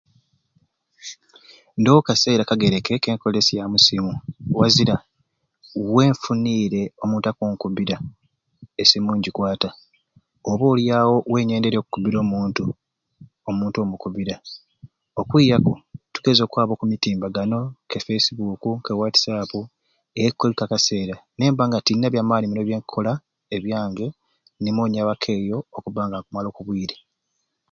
Ndoowo kaseera kagereke ke nkolesyamu e ssimu, wazira wenfuniire omuntu akunkubbira essimu ngikwata oba oli awo wenyendeirye okkubbira omuntu omuntu mukubbira okwiaku tugeze okwaba oku emitimbagano ke fesi buuku, ke watisapu, ebyo nemba nga tenina bya maani muno byenkukola ebyange nimo nyabaku eyo okubba nga nkumala ku obwiire.